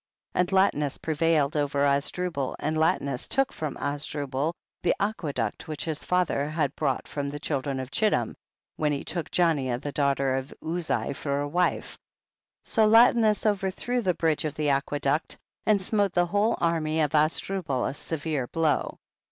11. And Latinus prevailed over Azdrubal, and Latinus took from Az drubal the aqueduct which his fa ther had brought from the children of Chittim, when he took Janiah the daughter of Uzi for a wife, so Latinus overthrew the bridge of the aqueduct, and smote the whole army of Azdru bal a severe blow.